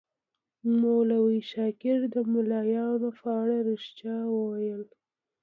مولوي شاکر د ملایانو په اړه ریښتیا ویل.